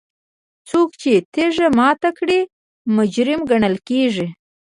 څوک چې تیږه ماته کړي مجرم ګڼل کیږي.